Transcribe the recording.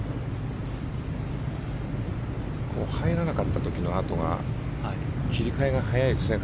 入らなかった時のあとが切り替えが早いですね